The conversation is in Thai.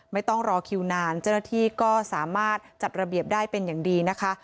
ไม่ต้องรอคิวนานเจ้าหน้าที่ก็สามารถจัดระเบียบได้เป็นอย่างดีนะคะ